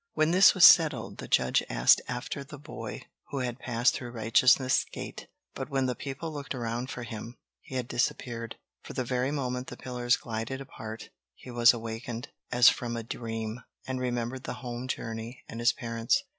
When this was settled, the judge asked after the boy who had passed through Righteousness' Gate; but when the people looked around for him, he had disappeared. For the very moment the pillars glided apart, he was awakened, as from a dream, and remembered the home journey and his parents.